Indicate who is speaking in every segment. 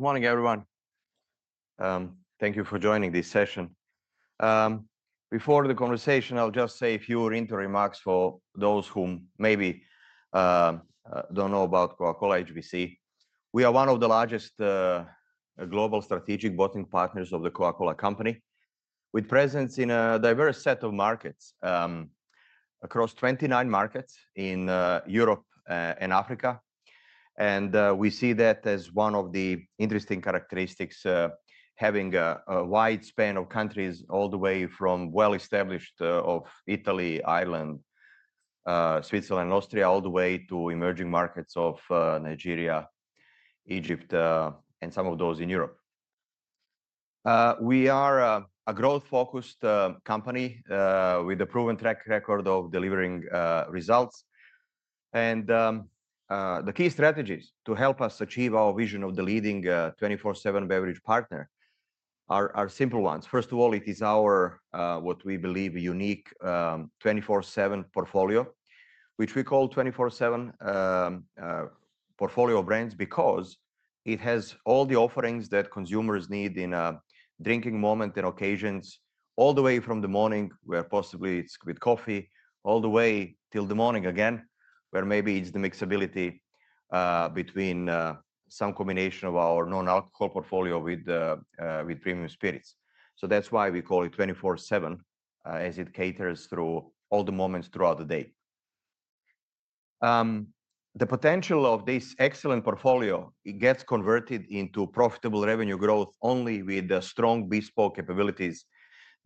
Speaker 1: Good morning, everyone. Thank you for joining this session. Before the conversation, I'll just say a few interim remarks for those who maybe do not know about Coca-Cola HBC. We are one of the largest global strategic bottling partners of the Coca-Cola Company, with presence in a diverse set of markets, across 29 markets in Europe and Africa. We see that as one of the interesting characteristics, having a wide span of countries all the way from well-established of Italy, Ireland, Switzerland, and Austria, all the way to emerging markets of Nigeria, Egypt, and some of those in Europe. We are a growth-focused company, with a proven track record of delivering results. The key strategies to help us achieve our vision of the leading 24/7 beverage partner are simple ones. First of all, it is our, what we believe unique, 24/7 portfolio, which we call 24/7 portfolio of brands because it has all the offerings that consumers need in a drinking moment and occasions, all the way from the morning, where possibly it's with coffee, all the way till the morning again, where maybe it's the mixability, between some combination of our non-alcohol portfolio with premium spirits. That is why we call it 24/7, as it caters through all the moments throughout the day. The potential of this excellent portfolio, it gets converted into profitable revenue growth only with the strong bespoke capabilities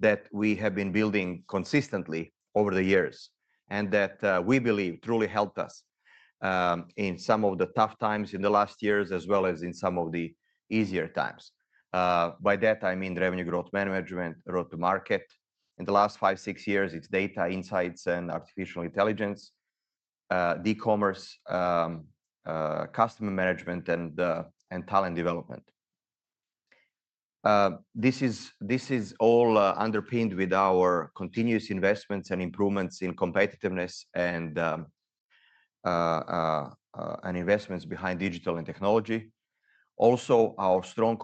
Speaker 1: that we have been building consistently over the years and that, we believe, truly helped us in some of the tough times in the last years as well as in some of the easier times. By that, I mean revenue growth management, road to market. In the last five, six years, it's data insights and artificial intelligence, the commerce, customer management, and talent development. This is all underpinned with our continuous investments and improvements in competitiveness and investments behind digital and technology. Also, our strong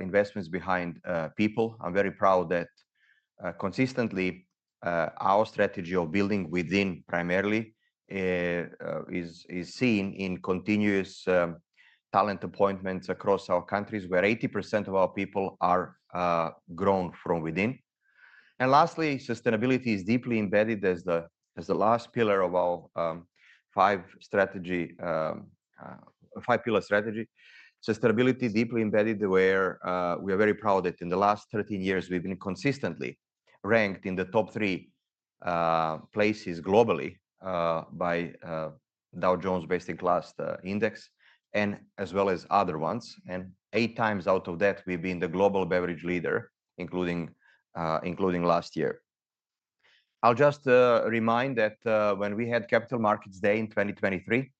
Speaker 1: investments behind people. I'm very proud that, consistently, our strategy of building within primarily is seen in continuous talent appointments across our countries where 80% of our people are grown from within. Lastly, sustainability is deeply embedded as the last pillar of our five-pillar strategy. Sustainability deeply embedded where we are very proud that in the last 13 years, we've been consistently ranked in the top three places globally by Dow Jones Best-in-Class Indices and as well as other ones. Eight times out of that, we've been the global beverage leader, including last year. I'll just remind that, when we had Capital Markets Day in 2023, we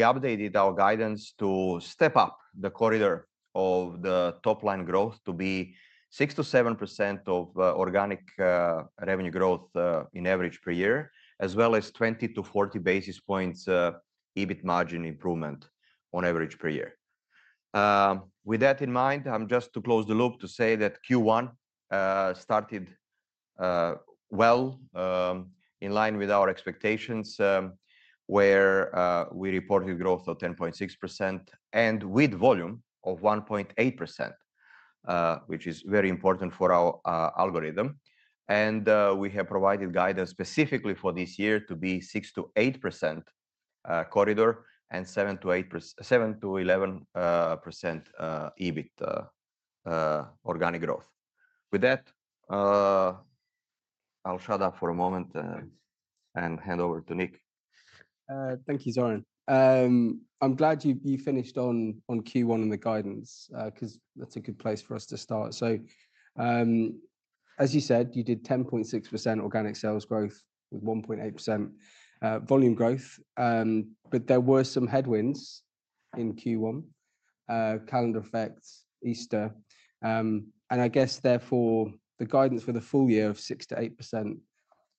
Speaker 1: updated our guidance to step up the corridor of the top line growth to be 6%-7% of organic revenue growth, in average per year, as well as 20 basis points-40 basis points EBIT margin improvement on average per year. With that in mind, I'm just to close the loop to say that Q1 started well, in line with our expectations, where we reported growth of 10.6% and with volume of 1.8%, which is very important for our algorithm. And we have provided guidance specifically for this year to be 6%-8% corridor and 7%-11% EBIT organic growth. With that, I'll shut up for a moment and hand over to Mitch.
Speaker 2: Thank you, Zoran. I'm glad you finished on Q1 and the guidance, because that's a good place for us to start. As you said, you did 10.6% organic sales growth with 1.8% volume growth. There were some headwinds in Q1, calendar effects, Easter. I guess therefore the guidance for the full year of 6%-8%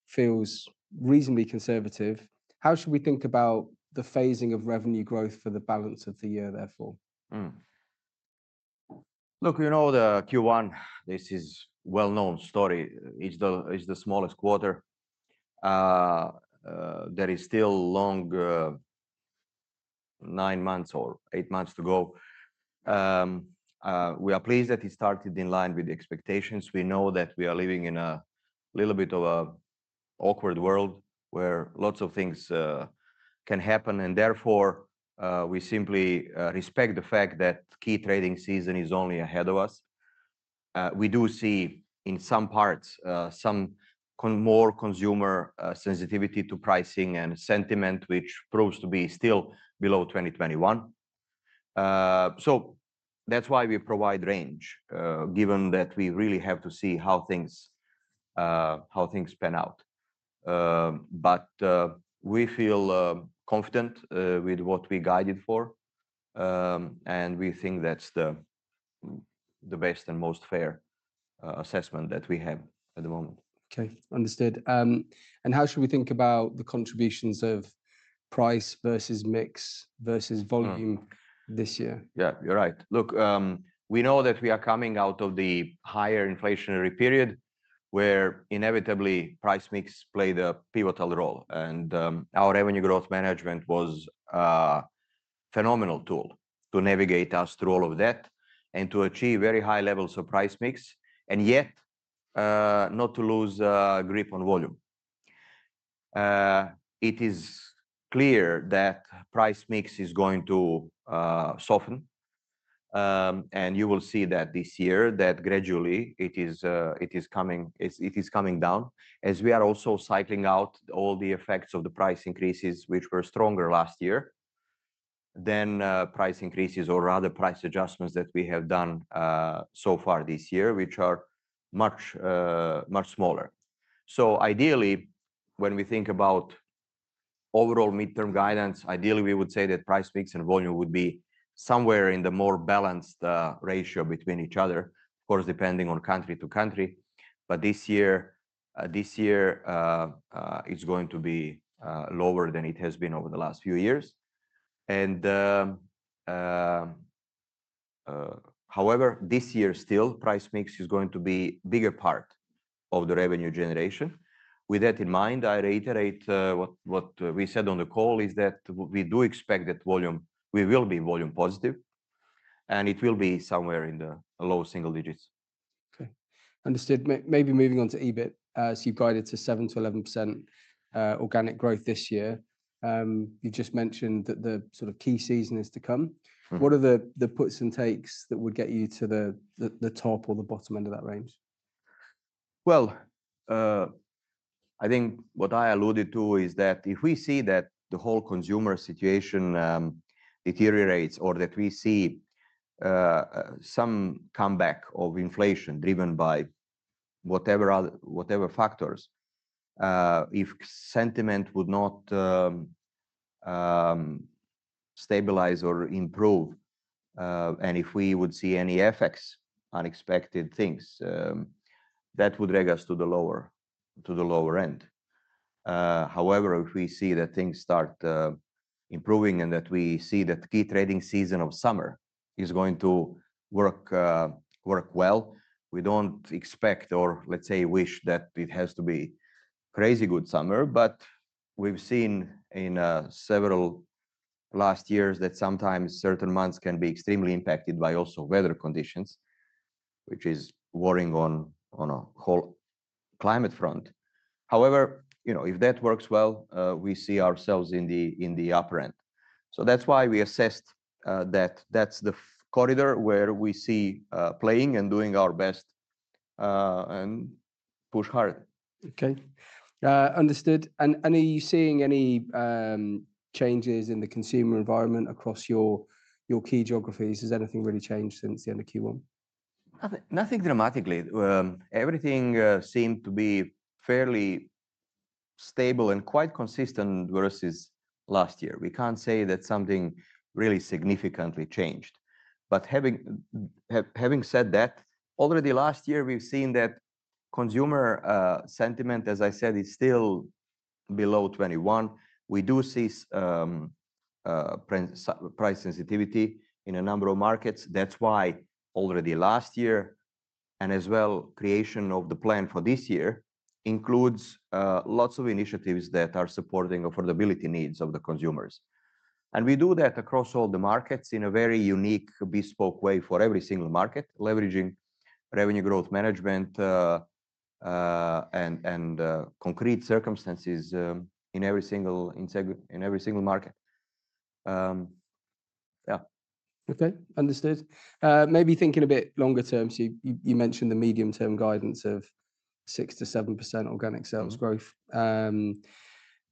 Speaker 2: feels reasonably conservative. How should we think about the phasing of revenue growth for the balance of the year therefore?
Speaker 1: Look, you know, the Q1, this is a well-known story. It's the, it's the smallest quarter. There is still a long, nine months or eight months to go. We are pleased that it started in line with expectations. We know that we are living in a little bit of an awkward world where lots of things can happen. Therefore, we simply respect the fact that key trading season is only ahead of us. We do see in some parts, some more consumer sensitivity to pricing and sentiment, which proves to be still below 2021. That's why we provide range, given that we really have to see how things, how things pan out. We feel confident with what we guided for. We think that's the best and most fair assessment that we have at the moment.
Speaker 2: Okay. Understood. And how should we think about the contributions of price versus mix versus volume this year?
Speaker 1: Yeah, you're right. Look, we know that we are coming out of the higher inflationary period where inevitably price mix played a pivotal role. Our revenue growth management was a phenomenal tool to navigate us through all of that and to achieve very high levels of price mix and yet, not to lose grip on volume. It is clear that price mix is going to soften. You will see that this year that gradually it is coming, it is coming down as we are also cycling out all the effects of the price increases, which were stronger last year than price increases or rather price adjustments that we have done so far this year, which are much, much smaller. Ideally, when we think about overall midterm guidance, ideally we would say that price mix and volume would be somewhere in the more balanced ratio between each other, of course, depending on country to country. This year, it's going to be lower than it has been over the last few years. However, this year still price mix is going to be a bigger part of the revenue generation. With that in mind, I reiterate what we said on the call is that we do expect that volume, we will be volume positive and it will be somewhere in the low single digits.
Speaker 2: Okay. Understood. Maybe moving on to EBIT, so you've guided to 7%-11% organic growth this year. You just mentioned that the sort of key season is to come. What are the puts and takes that would get you to the top or the bottom end of that range?
Speaker 1: I think what I alluded to is that if we see that the whole consumer situation deteriorates or that we see some comeback of inflation driven by whatever factors, if sentiment would not stabilize or improve, and if we would see any effects, unexpected things, that would drag us to the lower end. However, if we see that things start improving and that we see that key trading season of summer is going to work well, we do not expect or let's say wish that it has to be a crazy good summer, but we have seen in several last years that sometimes certain months can be extremely impacted by also weather conditions, which is worrying on a whole climate front. However, you know, if that works well, we see ourselves in the upper end. That's why we assessed that that's the corridor where we see playing and doing our best, and push hard.
Speaker 2: Okay. Understood. Are you seeing any changes in the consumer environment across your key geographies? Has anything really changed since the end of Q1?
Speaker 1: Nothing dramatically. Everything seemed to be fairly stable and quite consistent versus last year. We can't say that something really significantly changed. Having said that, already last year we've seen that consumer sentiment, as I said, is still below 21. We do see price sensitivity in a number of markets. That's why already last year and as well creation of the plan for this year includes lots of initiatives that are supporting affordability needs of the consumers. We do that across all the markets in a very unique bespoke way for every single market, leveraging revenue growth management and concrete circumstances in every single market. Yeah.
Speaker 2: Okay. Understood. Maybe thinking a bit longer term. You mentioned the medium term guidance of 6%-7% organic sales growth.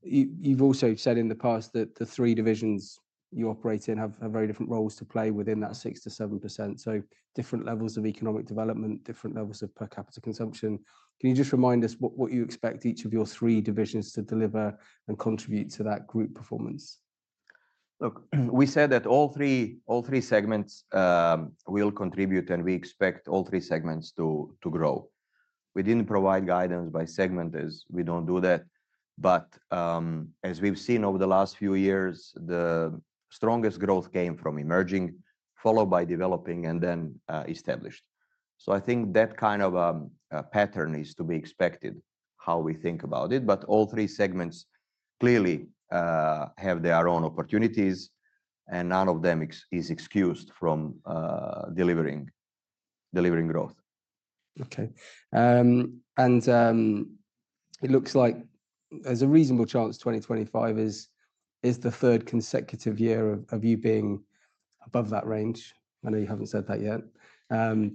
Speaker 2: You've also said in the past that the three divisions you operate in have very different roles to play within that 6%-7%. Different levels of economic development, different levels of per capita consumption. Can you just remind us what you expect each of your three divisions to deliver and contribute to that group performance?
Speaker 1: Look, we said that all three, all three segments, will contribute and we expect all three segments to grow. We did not provide guidance by segment as we do not do that. As we have seen over the last few years, the strongest growth came from emerging, followed by developing and then established. I think that kind of pattern is to be expected how we think about it. All three segments clearly have their own opportunities and none of them is excused from delivering growth.
Speaker 2: Okay. It looks like there's a reasonable chance 2025 is the third consecutive year of you being above that range. I know you haven't said that yet.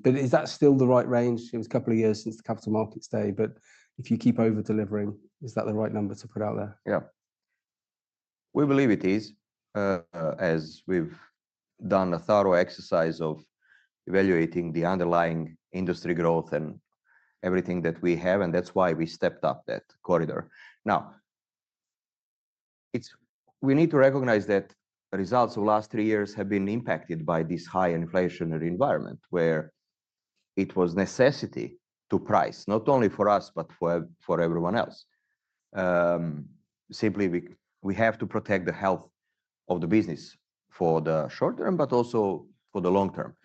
Speaker 2: Is that still the right range? It was a couple of years since the capital markets day, but if you keep over delivering, is that the right number to put out there?
Speaker 1: Yeah, we believe it is, as we've done a thorough exercise of evaluating the underlying industry growth and everything that we have. That's why we stepped up that corridor. Now, we need to recognize that results of last three years have been impacted by this high inflationary environment where it was necessity to price not only for us, but for everyone else. Simply, we have to protect the health of the business for the short term, but also for the long term.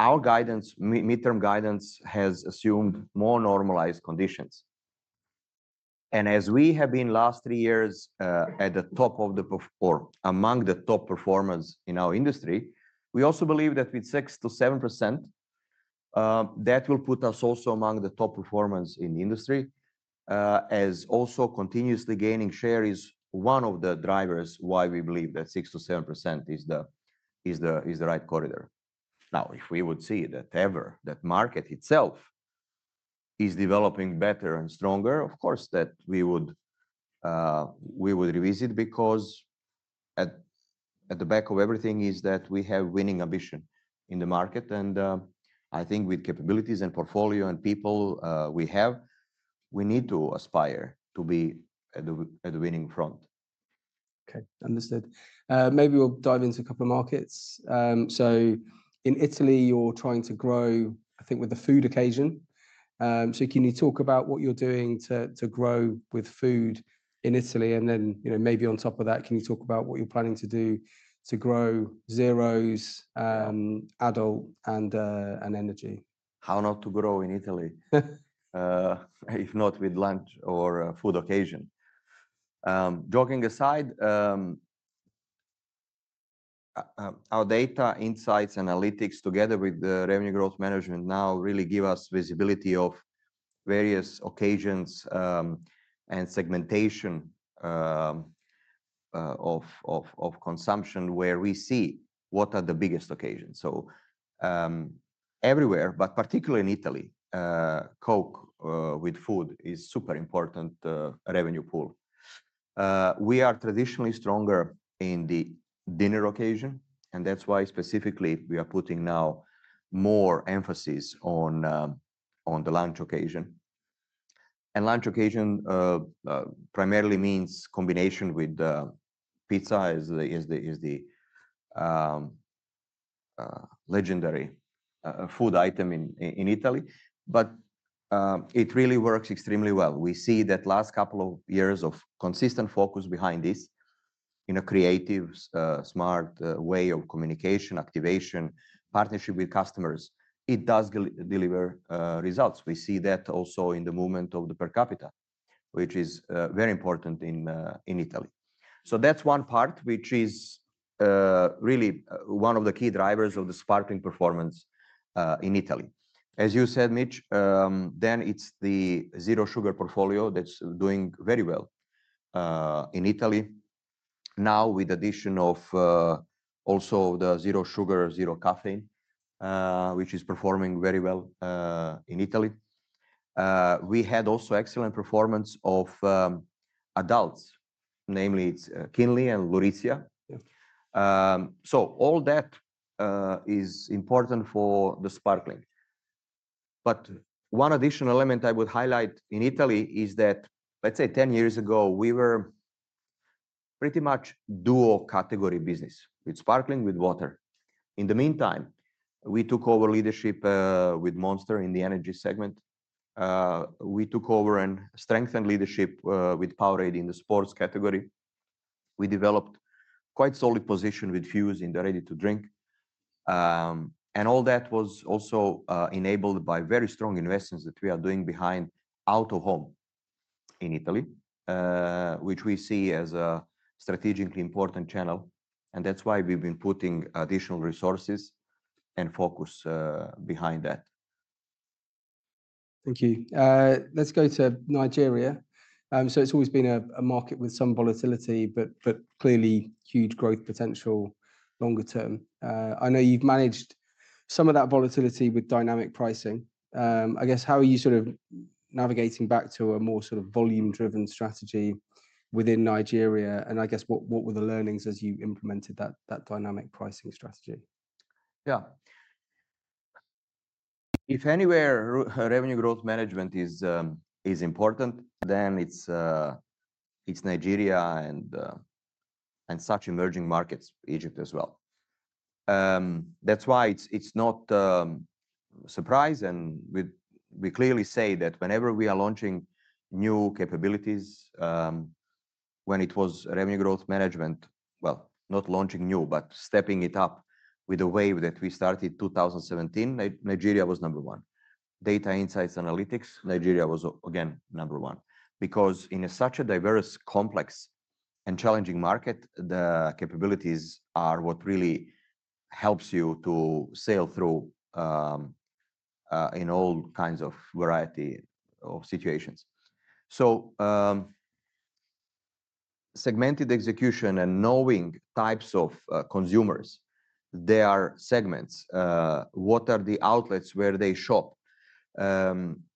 Speaker 1: Our guidance, midterm guidance has assumed more normalized conditions. As we have been the last three years, at the top of the, or among the top performers in our industry, we also believe that with 6%-7%, that will put us also among the top performers in the industry, as also continuously gaining share is one of the drivers why we believe that 6%-7% is the right corridor. If we would see that ever that market itself is developing better and stronger, of course we would revisit because at the back of everything is that we have winning ambition in the market. I think with capabilities and portfolio and people, we have, we need to aspire to be at the winning front.
Speaker 2: Okay. Understood. Maybe we'll dive into a couple of markets. In Italy, you are trying to grow, I think with the food occasion. Can you talk about what you're doing to grow with food in Italy? And then, you know, maybe on top of that, can you talk about what you're planning to do to grow zeros, adult, and energy?
Speaker 1: How not to grow in Italy, if not with lunch or food occasion. Joking aside, our data insights analytics together with the revenue growth management now really give us visibility of various occasions, and segmentation, of consumption where we see what are the biggest occasions. Everywhere, but particularly in Italy, Coke with food is super important, revenue pool. We are traditionally stronger in the dinner occasion. That is why specifically we are putting now more emphasis on the lunch occasion. Lunch occasion primarily means combination with pizza, is the legendary food item in Italy. It really works extremely well. We see that last couple of years of consistent focus behind this in a creative, smart way of communication, activation, partnership with customers, it does deliver results. We see that also in the movement of the per capita, which is very important in Italy. That is one part, which is really one of the key drivers of the sparkling performance in Italy. As you said, Mitch, it is the Zero Sugar portfolio that is doing very well in Italy now with addition of also the Zero Sugar Zero Caffeine, which is performing very well in Italy. We had also excellent performance of adults, namely it is Kinley and Lurisia. All that is important for the sparkling. One additional element I would highlight in Italy is that let's say 10 years ago we were pretty much dual category business with sparkling, with water. In the meantime, we took over leadership with Monster in the energy segment. We took over and strengthened leadership with POWERADE in the sports category. We developed quite solid position with Fuze in the ready to drink, and all that was also enabled by very strong investments that we are doing behind out of home in Italy, which we see as a strategically important channel. That is why we've been putting additional resources and focus behind that.
Speaker 2: Thank you. Let's go to Nigeria. It's always been a market with some volatility, but clearly huge growth potential longer term. I know you've managed some of that volatility with dynamic pricing. I guess how are you sort of navigating back to a more sort of volume driven strategy within Nigeria? I guess what were the learnings as you implemented that dynamic pricing strategy?
Speaker 1: Yeah, if anywhere revenue growth management is important, then it's Nigeria and such emerging markets, Egypt as well. That's why it's not a surprise. And we clearly say that whenever we are launching new capabilities, when it was revenue growth management, well, not launching new, but stepping it up with a wave that we started 2017, Nigeria was number one. Data insights analytics, Nigeria was again number one because in such a diverse, complex and challenging market, the capabilities are what really helps you to sail through, in all kinds of variety of situations. So, segmented execution and knowing types of consumers, their segments, what are the outlets where they shop?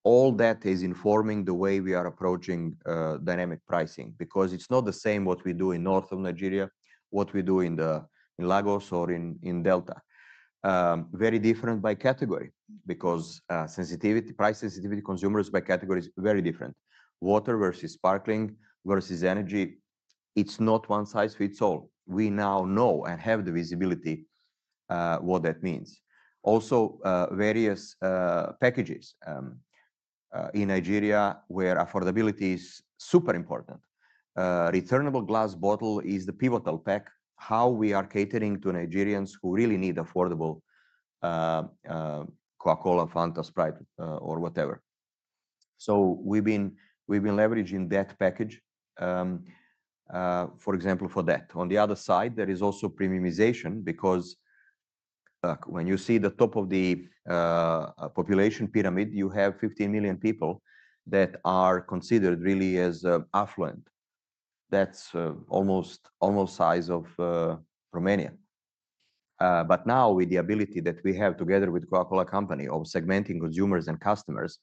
Speaker 1: All that is informing the way we are approaching dynamic pricing because it's not the same what we do in north of Nigeria, what we do in Lagos or in Delta. Very different by category because sensitivity, price sensitivity, consumers by category is very different. Water versus sparkling versus energy. It's not one size fits all. We now know and have the visibility, what that means. Also, various packages, in Nigeria where affordability is super important. Returnable glass bottle is the pivotal pack, how we are catering to Nigerians who really need affordable Coca-Cola, Fanta, Sprite, or whatever. We've been leveraging that package, for example, for that. On the other side, there is also premiumization because, when you see the top of the population pyramid, you have 15 million people that are considered really as affluent. That's almost, almost size of Romania. Now with the ability that we have together with Coca-Cola Company of segmenting consumers and customers,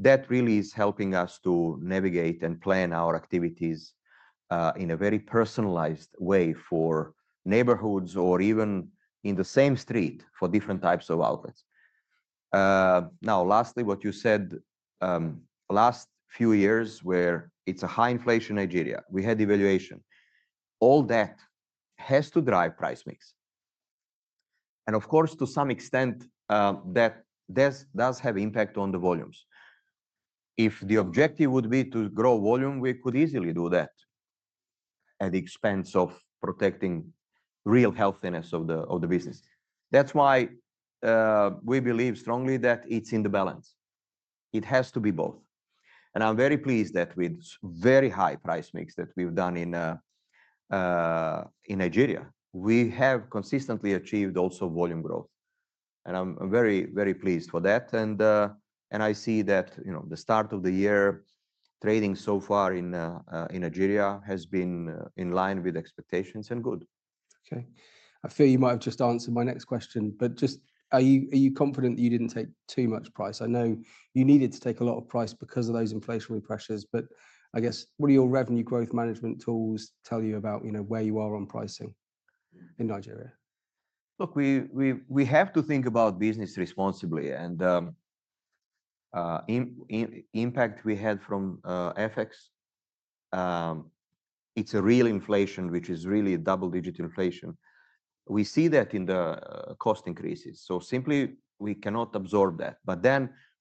Speaker 1: that really is helping us to navigate and plan our activities in a very personalized way for neighborhoods or even in the same street for different types of outlets. Lastly, what you said, last few years where it is high inflation Nigeria, we had evaluation, all that has to drive price mix. Of course, to some extent, that does have impact on the volumes. If the objective would be to grow volume, we could easily do that at the expense of protecting real healthiness of the business. That is why we believe strongly that it is in the balance. It has to be both. I am very pleased that with very high price mix that we have done in Nigeria, we have consistently achieved also volume growth. I'm very, very pleased for that. I see that, you know, the start of the year trading so far in Nigeria has been in line with expectations and good.
Speaker 2: Okay. I feel you might have just answered my next question, but just are you, are you confident that you didn't take too much price? I know you needed to take a lot of price because of those inflationary pressures, but I guess what do your revenue growth management tools tell you about, you know, where you are on pricing in Nigeria?
Speaker 1: Look, we have to think about business responsibly and, in impact we had from FX. It's a real inflation, which is really double digit inflation. We see that in the cost increases. Simply we cannot absorb that.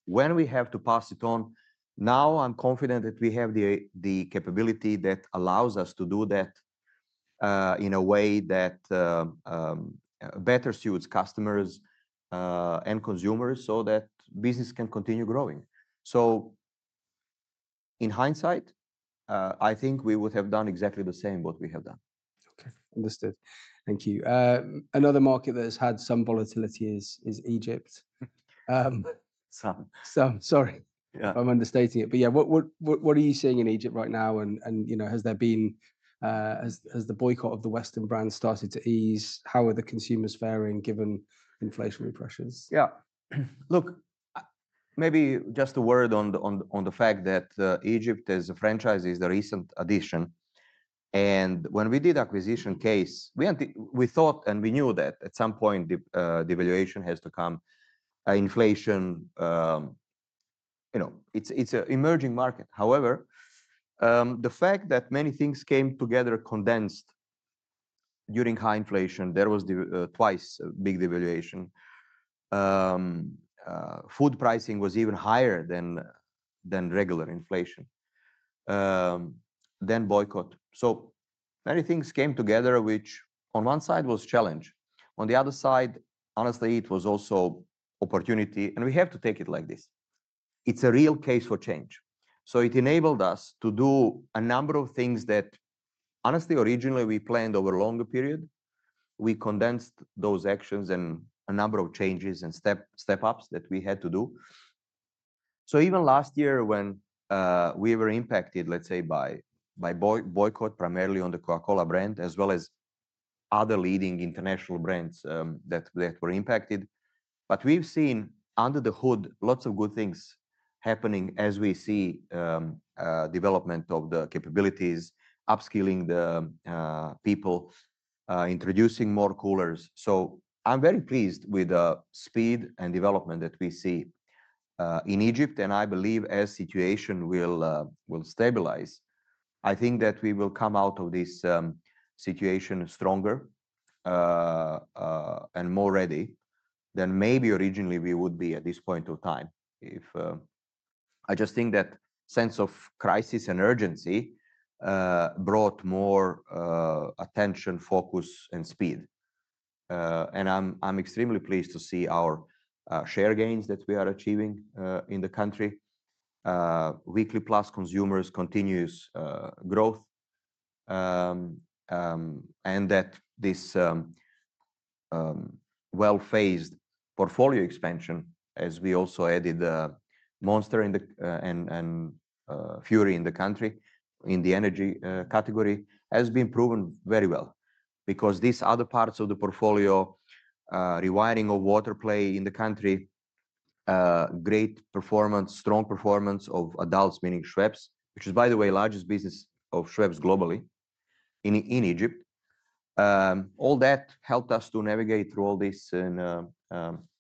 Speaker 1: When we have to pass it on, now I'm confident that we have the capability that allows us to do that, in a way that better suits customers and consumers so that business can continue growing. In hindsight, I think we would have done exactly the same what we have done.
Speaker 2: Okay. Understood. Thank you. Another market that has had some volatility is Egypt.
Speaker 1: Some.
Speaker 2: Some, sorry.
Speaker 1: Yeah.
Speaker 2: I'm understating it, but yeah, what are you seeing in Egypt right now? You know, has the boycott of the Western brand started to ease? How are the consumers faring given inflationary pressures?
Speaker 1: Yeah. Look, maybe just a word on the, on, on the fact that Egypt as a franchise is the recent addition. And when we did acquisition case, we, we thought and we knew that at some point the, the evaluation has to come, inflation, you know, it's, it's an emerging market. However, the fact that many things came together condensed during high inflation, there was the, twice a big devaluation. Food pricing was even higher than, than regular inflation. Then boycott. So many things came together, which on one side was challenge, on the other side, honestly, it was also opportunity. And we have to take it like this. It's a real case for change. It enabled us to do a number of things that honestly, originally we planned over a longer period, we condensed those actions and a number of changes and step ups that we had to do. Even last year when we were impacted, let's say by boycott primarily on the Coca-Cola brand as well as other leading international brands, that were impacted. We have seen under the hood lots of good things happening as we see development of the capabilities, upskilling the people, introducing more coolers. I am very pleased with the speed and development that we see in Egypt. I believe as situation will stabilize, I think that we will come out of this situation stronger, and more ready than maybe originally we would be at this point of time. I just think that sense of crisis and urgency brought more attention, focus and speed. I'm extremely pleased to see our share gains that we are achieving in the country, weekly plus consumers continuous growth. That this well-phased portfolio expansion, as we also added Monster and Fury in the country in the energy category, has been proven very well because these other parts of the portfolio, rewiring of water play in the country, great performance, strong performance of adults, meaning Schweppes, which is, by the way, largest business of Schweppes globally in Egypt. All that helped us to navigate through all this and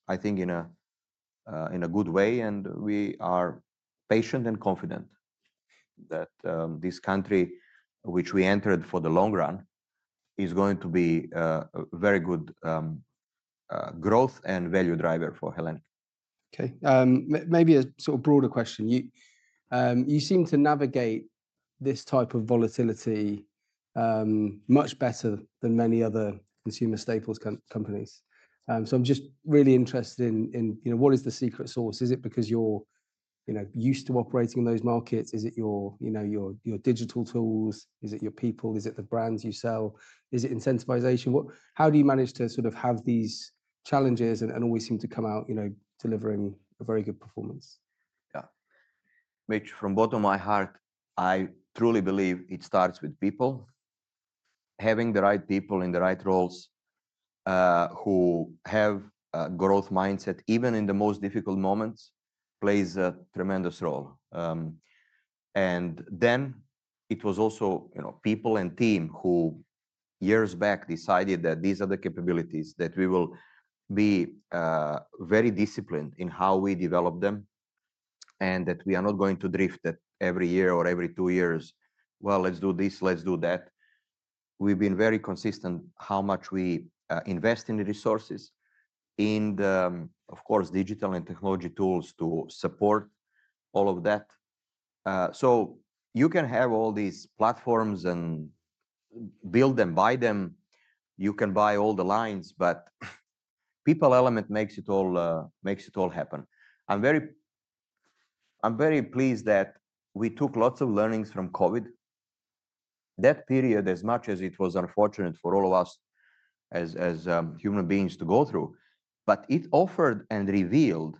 Speaker 1: I think in a good way. We are patient and confident that this country, which we entered for the long run, is going to be a very good growth and value driver for Hellenic.
Speaker 2: Okay. Maybe a sort of broader question. You seem to navigate this type of volatility much better than many other consumer staples companies. I'm just really interested in, you know, what is the secret sauce? Is it because you are, you know, used to operating in those markets? Is it your, you know, your digital tools? Is it your people? Is it the brands you sell? Is it incentivization? How do you manage to sort of have these challenges and always seem to come out, you know, delivering a very good performance?
Speaker 1: Yeah, Mitch, from bottom of my heart, I truly believe it starts with people, having the right people in the right roles, who have a growth mindset even in the most difficult moments plays a tremendous role. Then it was also, you know, people and team who years back decided that these are the capabilities that we will be, very disciplined in how we develop them and that we are not going to drift that every year or every two years. Well, let's do this, let's do that. We've been very consistent how much we, invest in resources in the, of course, digital and technology tools to support all of that. You can have all these platforms and build them, buy them, you can buy all the lines, but people element makes it all, makes it all happen. I'm very pleased that we took lots of learnings from COVID, that period, as much as it was unfortunate for all of us as human beings to go through, but it offered and revealed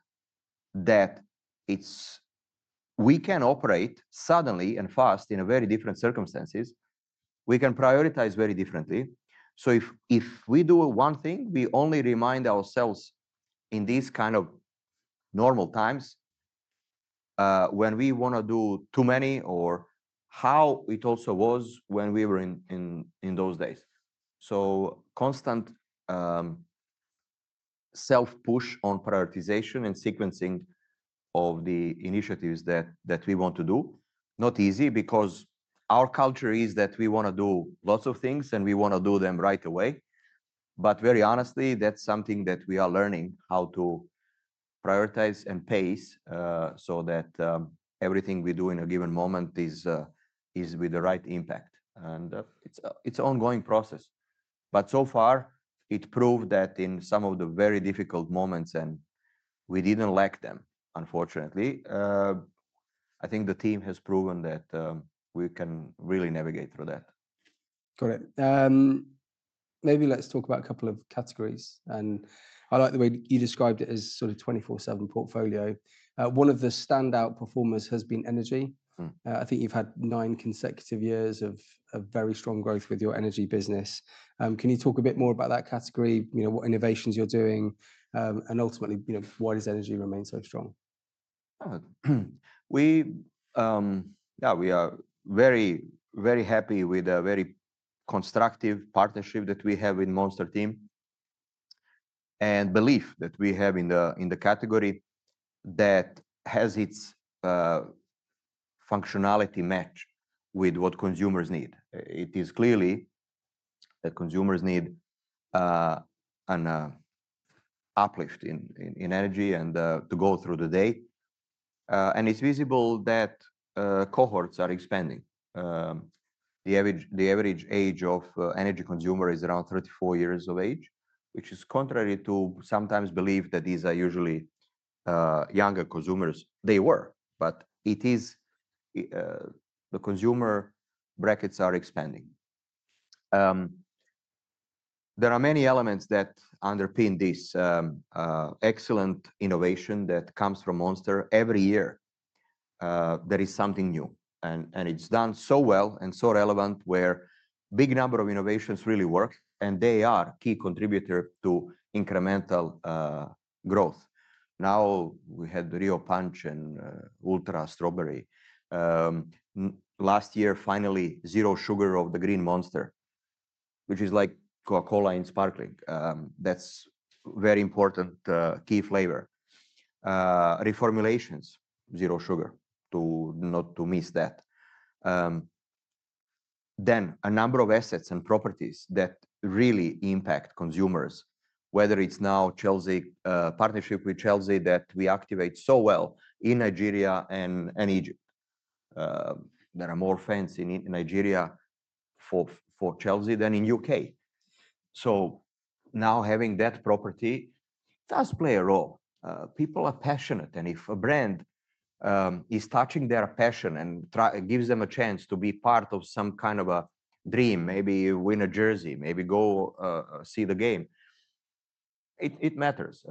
Speaker 1: that we can operate suddenly and fast in very different circumstances. We can prioritize very differently. If we do one thing, we only remind ourselves in these kind of normal times, when we want to do too many or how it also was when we were in those days. Constant self-push on prioritization and sequencing of the initiatives that we want to do, not easy because our culture is that we want to do lots of things and we want to do them right away. Very honestly, that's something that we are learning how to prioritize and pace, so that everything we do in a given moment is with the right impact. It's an ongoing process, but so far it proved that in some of the very difficult moments, and we didn't lack them, unfortunately, I think the team has proven that we can really navigate through that.
Speaker 2: Got it. Maybe let's talk about a couple of categories. I like the way you described it as sort of 24/7 Portfolio. One of the standout performers has been energy. I think you've had nine consecutive years of very strong growth with your energy business. Can you talk a bit more about that category? You know, what innovations you are doing, and ultimately, you know, why does energy remain so strong?
Speaker 1: Yeah, we are very, very happy with a very constructive partnership that we have in Monster team and belief that we have in the category that has its functionality match with what consumers need. It is clear that consumers need an uplift in energy to go through the day. It's visible that cohorts are expanding. The average age of energy consumer is around 34 years of age, which is contrary to sometimes belief that these are usually younger consumers. They were, but the consumer brackets are expanding. There are many elements that underpin this, excellent innovation that comes from Monster every year. There is something new and it's done so well and so relevant where big number of innovations really work and they are key contributor to incremental growth. Now we had the Rio Punch and Ultra Strawberry. Last year, finally Zero Sugar of the green Monster, which is like Coca-Cola in sparkling. That's very important, key flavor. Reformulations, Zero Sugar to not to miss that. Then a number of assets and properties that really impact consumers, whether it's now Chelsea, partnership with Chelsea that we activate so well in Nigeria and Egypt. There are more fans in Nigeria for Chelsea than in the U.K. Now having that property does play a role. People are passionate and if a brand is touching their passion and gives them a chance to be part of some kind of a dream, maybe win a jersey, maybe go see the game, it matters.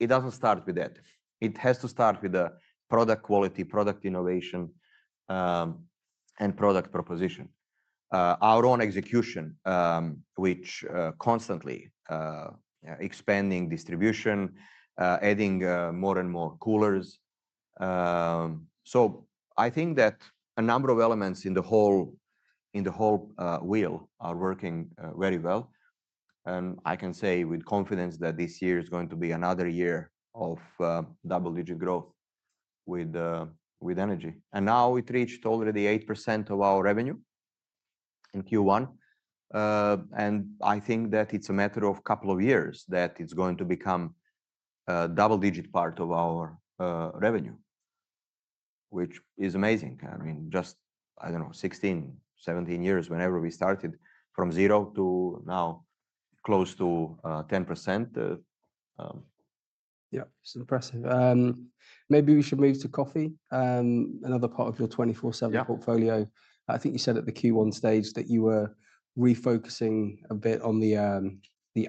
Speaker 1: It does not start with that. It has to start with the product quality, product innovation, and product proposition. Our own execution, which is constantly expanding distribution, adding more and more coolers. I think that a number of elements in the whole, in the whole, wheel are working very well. I can say with confidence that this year is going to be another year of double digit growth with energy. Now it reached already 8% of our revenue in Q1. I think that it's a matter of a couple of years that it's going to become double digit part of our revenue, which is amazing. I mean, just, I don't know, 16, 17 years whenever we started from zero to now close to 10%.
Speaker 2: Yeah, it's impressive. Maybe we should move to coffee, another part of your 24/7 portfolio. I think you said at the Q1 stage that you were refocusing a bit on the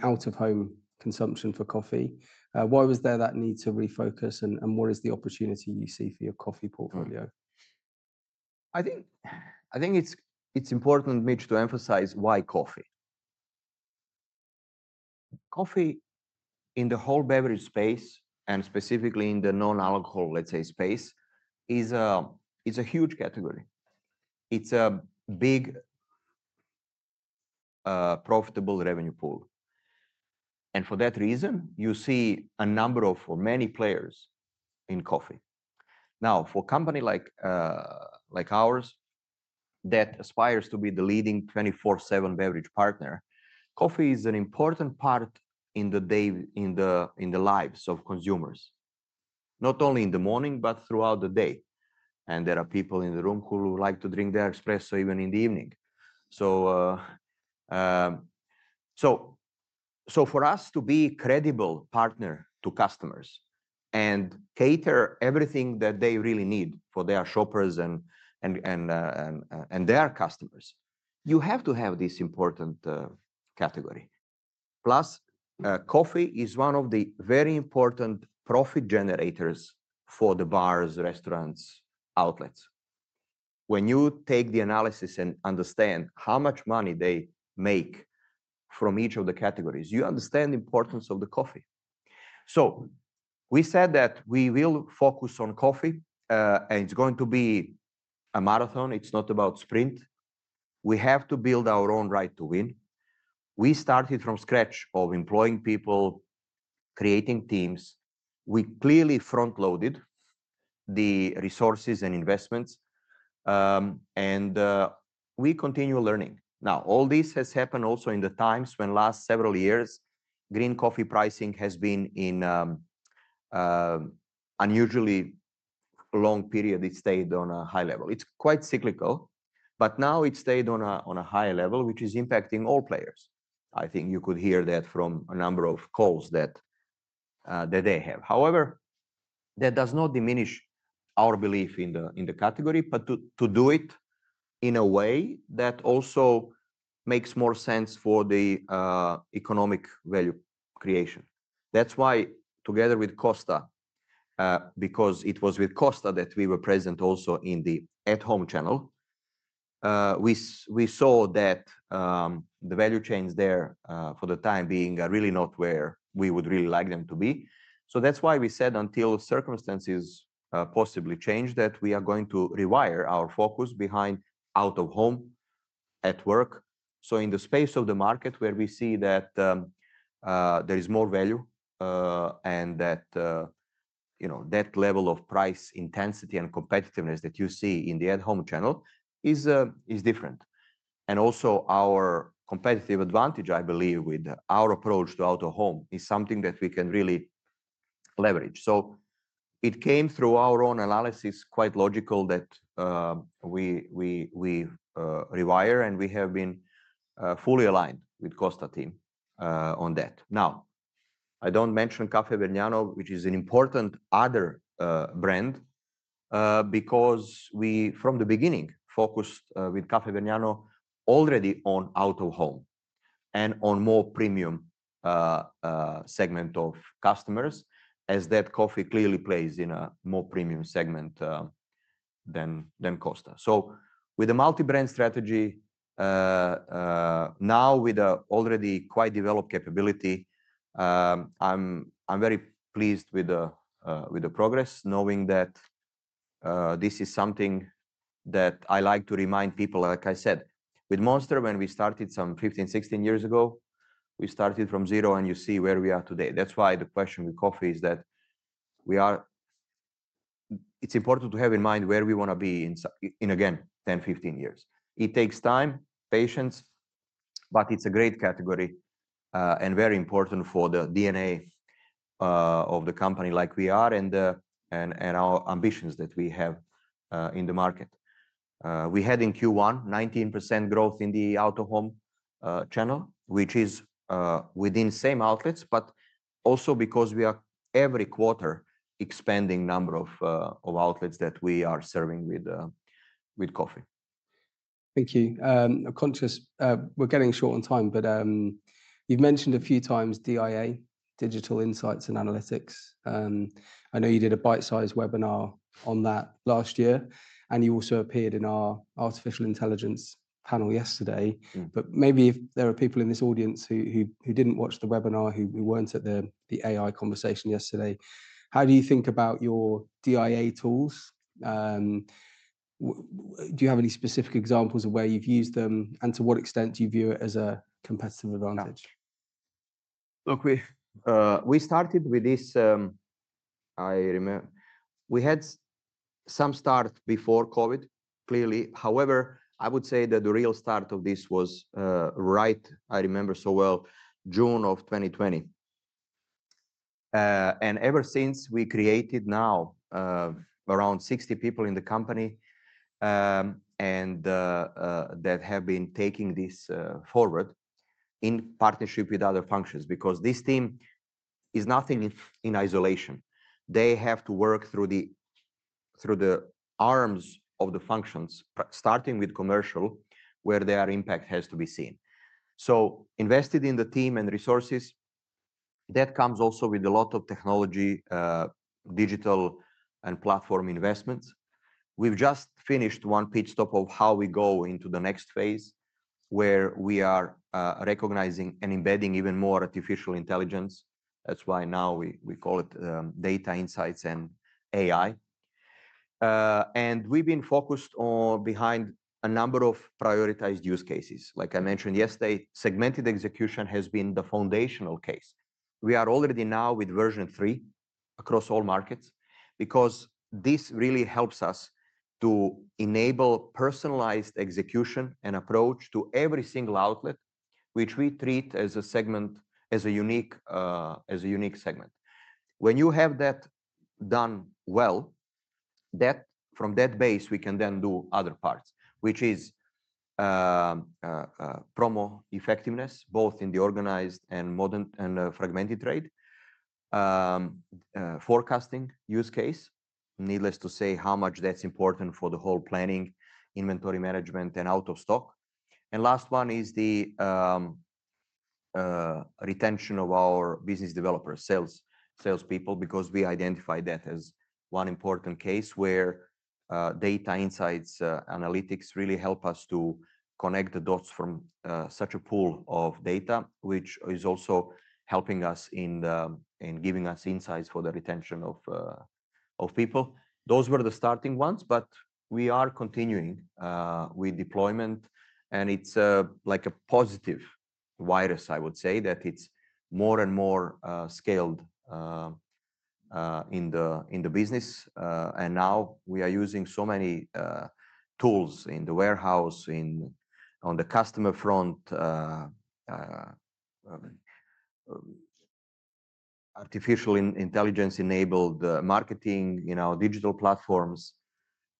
Speaker 2: out-of-home consumption for coffee. Why was there that need to refocus, and what is the opportunity you see for your coffee portfolio?
Speaker 1: I think it's important, Mitch, to emphasize why coffee. Coffee in the whole beverage space and specifically in the non-alcohol, let's say, space is a huge category. It's a big, profitable revenue pool. For that reason, you see a number of, or many players in coffee. Now for a company like ours that aspires to be the leading 24/7 beverage partner, coffee is an important part in the day, in the lives of consumers, not only in the morning, but throughout the day. There are people in the room who like to drink their espresso even in the evening. For us to be a credible partner to customers and cater everything that they really need for their shoppers and their customers, you have to have this important category. Plus, coffee is one of the very important profit generators for the bars, restaurants, outlets. When you take the analysis and understand how much money they make from each of the categories, you understand the importance of the coffee. We said that we will focus on coffee, and it's going to be a marathon. It's not about sprint. We have to build our own right to win. We started from scratch of employing people, creating teams. We clearly front-loaded the resources and investments, and we continue learning. Now, all this has happened also in the times when last several years green coffee pricing has been in unusually long period. It stayed on a high level. It's quite cyclical, but now it stayed on a high level, which is impacting all players. I think you could hear that from a number of calls that they have. However, that does not diminish our belief in the, in the category, but to, to do it in a way that also makes more sense for the economic value creation. That's why together with Costa, because it was with Costa that we were present also in the at-home channel, we saw that the value chains there, for the time being are really not where we would really like them to be. That's why we said until circumstances possibly change that we are going to rewire our focus behind out-of-home at work. In the space of the market where we see that there is more value, and that, you know, that level of price intensity and competitiveness that you see in the at-home channel is different. Also, our competitive advantage, I believe with our approach to out-of-home is something that we can really leverage. It came through our own analysis, quite logical that we rewire and we have been fully aligned with Costa team on that. I do not mention Caffè Vergnano, which is an important other brand, because we from the beginning focused with Caffè Vergnano already on out-of-home and on more premium segment of customers as that coffee clearly plays in a more premium segment than Costa. With the multi-brand strategy, now with a already quite developed capability, I am very pleased with the progress knowing that this is something that I like to remind people, like I said, with Monster when we started some 15, 16 years ago, we started from zero and you see where we are today. That's why the question with coffee is that we are, it's important to have in mind where we wanna be in, in again, 10-15 years. It takes time, patience, but it's a great category, and very important for the DNA of the company like we are and our ambitions that we have in the market. We had in Q1, 19% growth in the out-of-home channel, which is within same outlets, but also because we are every quarter expanding number of outlets that we are serving with coffee.
Speaker 2: Thank you. I'm conscious we're getting short on time, but you've mentioned a few times DIA, digital, insights, and analytics. I know you did a bite-sized webinar on that last year and you also appeared in our artificial intelligence panel yesterday. Maybe if there are people in this audience who didn't watch the webinar, who weren't at the AI conversation yesterday, how do you think about your DIA tools? Do you have any specific examples of where you've used them and to what extent do you view it as a competitive advantage?
Speaker 1: Look, we started with this, I remember we had some start before COVID clearly. However, I would say that the real start of this was, right, I remember so well, June of 2020. Ever since, we created now around 60 people in the company that have been taking this forward in partnership with other functions because this team is nothing in isolation. They have to work through the arms of the functions, starting with commercial where their impact has to be seen. Invested in the team and resources, that comes also with a lot of technology, digital and platform investments. We've just finished one pit stop of how we go into the next phase where we are recognizing and embedding even more artificial intelligence. That's why now we call it data insights and AI. we've been focused on behind a number of prioritized use cases. Like I mentioned yesterday, segmented execution has been the foundational case. We are already now with version three across all markets because this really helps us to enable personalized execution and approach to every single outlet, which we treat as a segment, as a unique, as a unique segment. When you have that done well, from that base, we can then do other parts, which is, promo effectiveness both in the organized and modern and fragmented trade, forecasting use case, needless to say how much that's important for the whole planning, inventory management, and out-of-stock. The last one is the retention of our business developers, sales, salespeople, because we identify that as one important case where data insights, analytics really help us to connect the dots from such a pool of data, which is also helping us in giving us insights for the retention of people. Those were the starting ones, but we are continuing with deployment and it is like a positive virus, I would say that it is more and more scaled in the business. Now we are using so many tools in the warehouse, on the customer front, artificial intelligence enabled marketing, you know, digital platforms,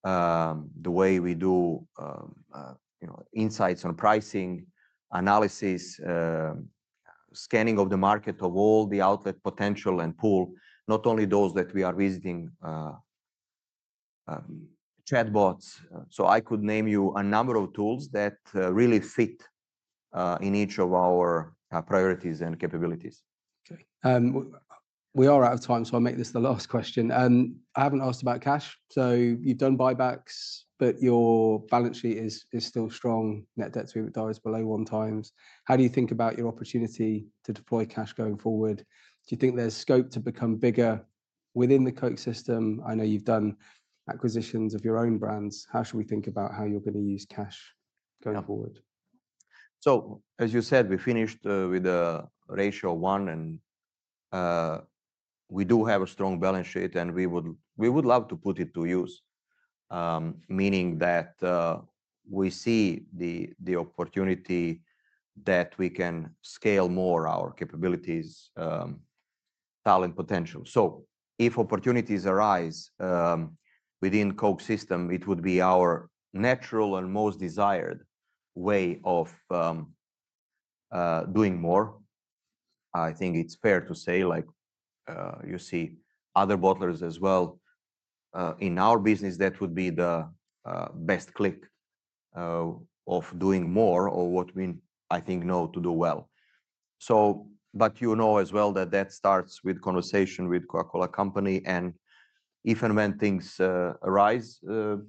Speaker 1: the way we do, you know, insights on pricing analysis, scanning of the market of all the outlet potential and pool, not only those that we are visiting, chatbots. I could name you a number of tools that really fit in each of our priorities and capabilities.
Speaker 2: Okay. We are out of time, so I'll make this the last question. I haven't asked about cash. You have done buybacks, but your balance sheet is still strong. Net debt to EBITDA is below one times. How do you think about your opportunity to deploy cash going forward? Do you think there is scope to become bigger within the Coke system? I know you have done acquisitions of your own brands. How should we think about how you are going to use cash going forward?
Speaker 1: As you said, we finished with a ratio one and we do have a strong balance sheet and we would love to put it to use, meaning that we see the opportunity that we can scale more our capabilities, talent potential. If opportunities arise within Coke system, it would be our natural and most desired way of doing more. I think it's fair to say, like, you see other bottlers as well in our business, that would be the best click of doing more or what we, I think, know to do well. You know as well that that starts with conversation with Coca-Cola Company. If and when things arise,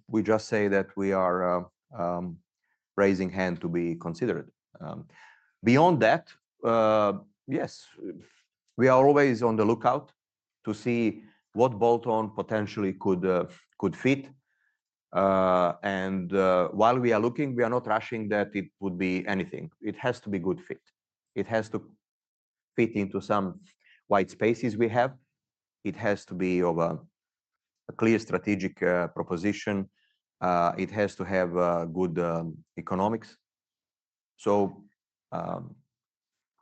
Speaker 1: we just say that we are raising hand to be considered. Beyond that, yes, we are always on the lookout to see what bolt-on potentially could fit. While we are looking, we are not rushing that it would be anything. It has to be a good fit. It has to fit into some white spaces we have. It has to be a clear strategic proposition. It has to have good economics.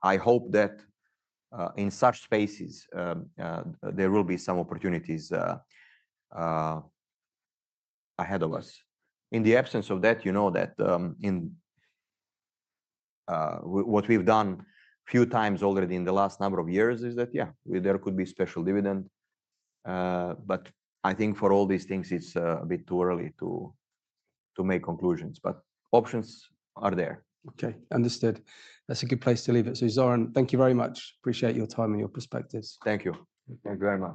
Speaker 1: I hope that, in such spaces, there will be some opportunities ahead of us. In the absence of that, you know that, in what we've done a few times already in the last number of years is that, yeah, there could be a special dividend. I think for all these things, it's a bit too early to make conclusions, but options are there.
Speaker 2: Okay. Understood. That's a good place to leave it. Zoran, thank you very much. Appreciate your time and your perspectives.
Speaker 1: Thank you. Thank you very much.